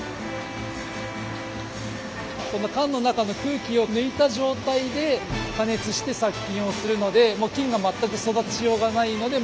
缶の中の空気を抜いた状態で加熱して殺菌をするので菌が全く育ちようがないのでもつっていう感じなんです。